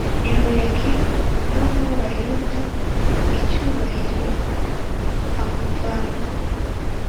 Yehoyakini umwami w abayuda icyubahiro amuvana